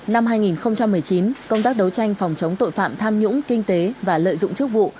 năm hai nghìn một mươi chín công tác đấu tranh phòng chống tội phạm tham nhũng kinh tế và lợi dụng chức vụ